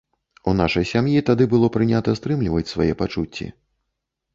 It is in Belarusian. У нашай сям'і тады было прынята стрымліваць свае пачуцці.